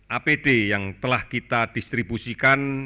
apd yang telah kita distribusikan